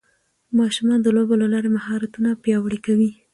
ماشومان د لوبو له لارې مهارتونه پیاوړي کوي